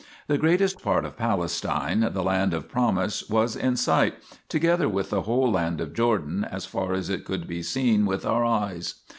The greatest part of Palestine, the land of promise, was in sight, together with the whole land of Jordan, as far as it could be seen with our eyes.